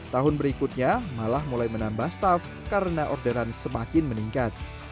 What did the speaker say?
tahun berikutnya malah mulai menambah staff karena orderan semakin meningkat